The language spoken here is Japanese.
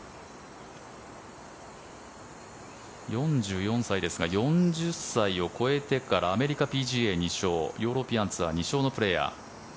４４歳ですが４０歳を超えてからアメリカＰＧＡ２勝ヨーロピアン２勝のプレーヤー。